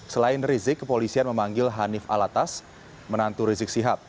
selain rizik kepolisian memanggil hanif alatas menantu rizik sihab